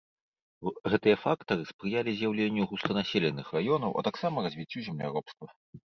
Гэтыя фактары спрыялі з'яўленню густанаселеных раёнаў, а таксама развіццю земляробства.